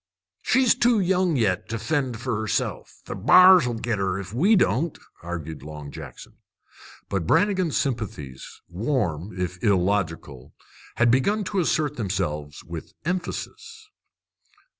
"She's too young yet to fend fer herself. The b'ars 'll git her, if we don't," argued Long Jackson. But Brannigan's sympathies, warm if illogical, had begun to assert themselves with emphasis.